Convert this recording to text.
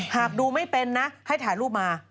หากดูไม่เป็นนะให้ถ่ายรูปมา